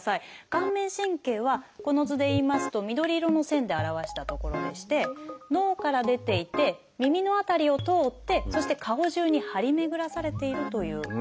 顔面神経はこの図でいいますと緑色の線で表した所でして脳から出ていて耳の辺りを通ってそして顔じゅうに張り巡らされているというものなんです。